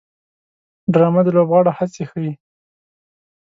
ډرامه د لوبغاړو هڅې ښيي